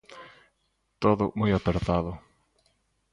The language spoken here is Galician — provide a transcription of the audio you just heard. Todo moi apertado.